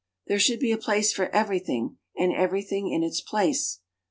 "There should be a place for everything, and everything in its place."